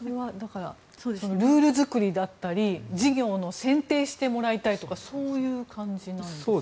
ルール作りだったり事業を選定してもらいたいという感じなんですか。